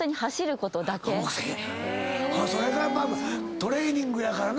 それがトレーニングやからな。